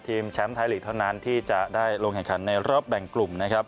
แชมป์ไทยลีกเท่านั้นที่จะได้ลงแข่งขันในรอบแบ่งกลุ่มนะครับ